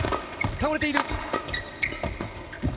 倒れている。